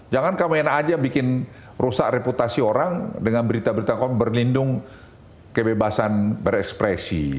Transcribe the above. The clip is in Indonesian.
jangan kamu yang aja bikin rusak reputasi orang dengan berita berita kau berlindung kebebasan berekspresi